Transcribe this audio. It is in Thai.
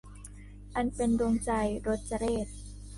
อันเป็นดวงใจ - รจเรข